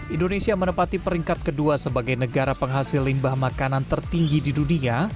indonesia menempati peringkat kedua sebagai negara penghasil limbah makanan tertinggi di dunia